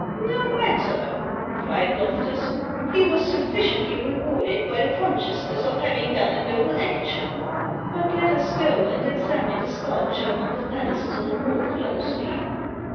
"No matter," cried Loftus; "he was sufficiently rewarded by the consciousness of having done a noble action. But let us go and examine the sculpture on the pedestal more closely."